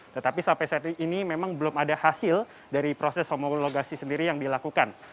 tetapi sampai saat ini memang belum ada hasil dari proses homologasi sendiri yang dilakukan